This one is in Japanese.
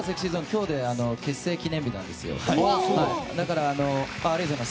今日、結成記念日なんですよ。